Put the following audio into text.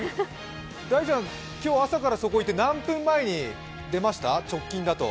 大ちゃん、今日朝からそこにいて直近だと何分前に出ました？